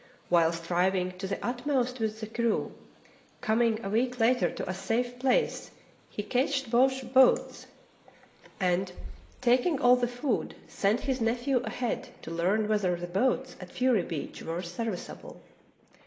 While striving to the utmost with the crew, coming a week later to a safe place he cached both boats, and 44 True Tales of Arctic Heroism taking all the food sent his nephew ahead to learn whether the boats at Fury Beach were serviceable.